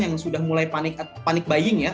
yang sudah mulai panik buying ya